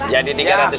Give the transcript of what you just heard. jadi tiga ratus ribu